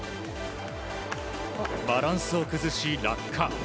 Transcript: バランスを崩し落下。